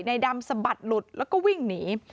ในดำสะบัดหลุดแล้วก็วิ่งหนี